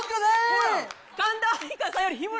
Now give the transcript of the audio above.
ほら。